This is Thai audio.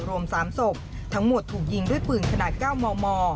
รวม๓ศพทั้งหมดถูกยิงด้วยปืนขนาด๙มม